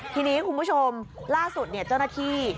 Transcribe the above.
ทีนี้คุณผู้ชมล่าสุดเจ้าหน้าที่